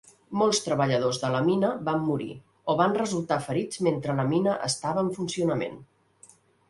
Molts treballadors de la mina van morir o van resultar ferits mentre la mina estava en funcionament.